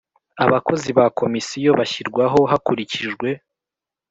Abakozi ba Komisiyo bashyirwaho hakurikijwe